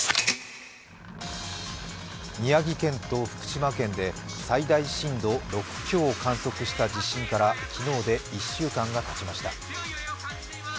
宮城県と福島県で最大震度６強を観測した地震から昨日で１週間がたちました。